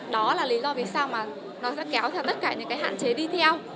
đó là lý do vì sao mà nó sẽ kéo theo tất cả những cái hạn chế đi theo